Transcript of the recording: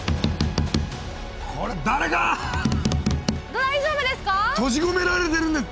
大丈夫ですか？